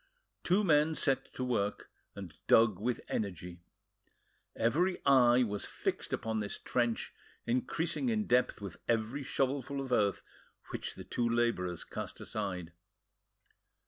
Two men set to work, and dug with energy. Every eye was fixed upon this trench increasing in depth with every shovelful of earth which the two labourers cast aside.